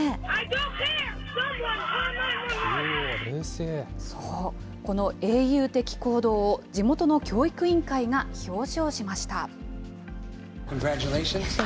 おー、そう、この英雄的行動を地元の教育委員会が表彰しました。